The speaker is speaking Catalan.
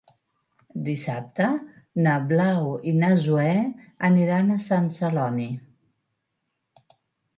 Dissabte na Blau i na Zoè aniran a Sant Celoni.